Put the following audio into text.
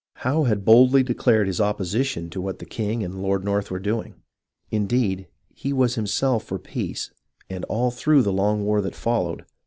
Howe had boldly declared his opposition to what the king and Lord North were doing. Indeed, he was himself for peace, and all through the long war that followed.